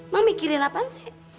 mau mikirin apaan sih